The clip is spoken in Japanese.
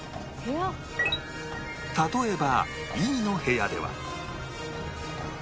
例えば Ｅ の部屋では